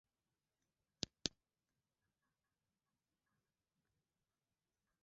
Kifo huweza kutokea kwa mnyama kwa ugonjwa wa mkojo damu